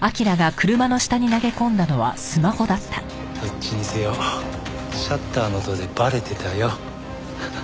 どっちにせよシャッターの音でバレてたよ。